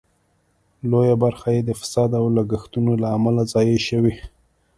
لویه برخه یې د فساد او لګښتونو له امله ضایع شوې.